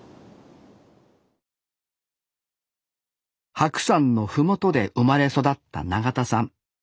白山の麓で生まれ育った永田さん。